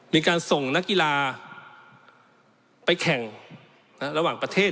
มีการส่งนักกีฬาไปแข่งระหว่างประเทศ